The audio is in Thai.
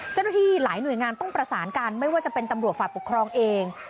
เจ้าหน้าที่หลายหน่วยงานต้องประสานกันไม่ว่าจะเป็นตำรวจฝ่ายปกครองเอง